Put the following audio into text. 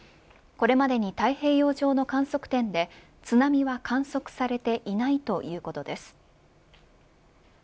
これまでに太平洋上の観測点で津波は観測されていないということです。